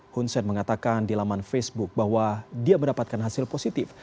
hun sen mengatakan di laman facebook bahwa dia mendapatkan hasil positif